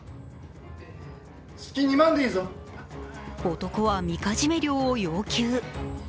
男はみかじめ料を要求。